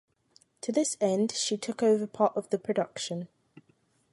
To this end, she took over part of the production.